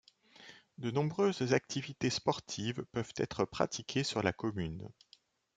De nombreuses activités sportives peuvent être pratiquées sur la commune.